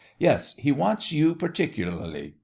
Yes, he wants you particularly.